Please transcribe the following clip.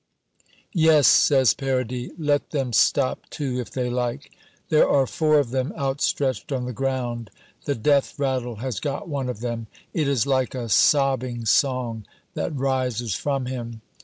"Yes," says Paradis, "let them stop too, if they like." There are four of them outstretched on the ground. The death rattle has got one of them. It is like a sobbing song that rises from him.